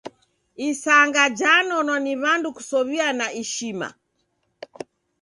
Isanga janonwa ni w'andu kusow'iana ishma.